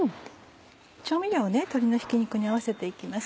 調味料を鶏のひき肉に合わせて行きます。